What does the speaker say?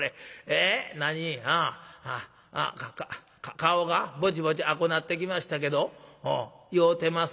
『顔がぼちぼち赤うなってきましたけど酔うてます？』。